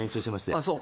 ああそう。